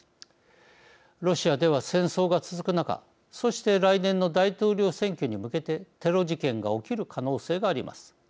ロシアでは戦争が続く中そして来年の大統領選挙に向けてテロ事件が起きる可能性があります。